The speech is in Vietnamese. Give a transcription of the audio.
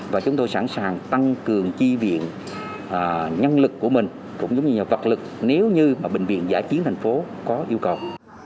và chúng tôi sẵn sàng tăng cường chi viện nhân lực của mình cũng như vật lực nếu như bệnh viện giải chiến thành phố có yêu cầu